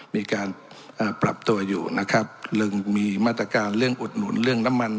มีการปรับตัวอยู่นะครับเรื่องมีมาตรการเรื่องอุดหนุนเรื่องน้ำมัน